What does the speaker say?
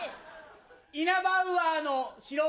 イナバウアーの白兎。